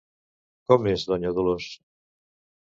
Com és Donya Dolors?